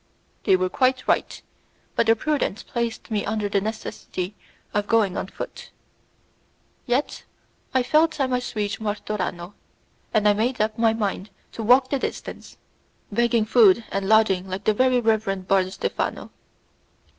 They were quite right, but their prudence placed me under the necessity of going on foot. Yet I felt I must reach Martorano, and I made up my mind to walk the distance, begging food and lodging like the very reverend Brother Stephano.